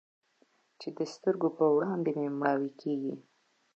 چې د سترګو په وړاندې مې مړواې کيږي.